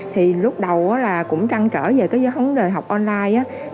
thì lúc đầu là cũng trăng trở về cái vấn đề học online